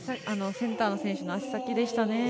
センターの選手の足先でしたね。